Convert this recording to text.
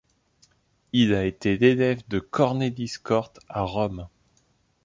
Il a été l'élève de Cornelis Cort à Rome.